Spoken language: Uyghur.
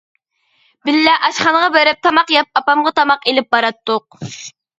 بىللە ئاشخانىغا بېرىپ تاماق يەپ ئاپامغا تاماق ئېلىپ باراتتۇق.